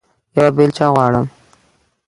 یوه بیلچه غواړم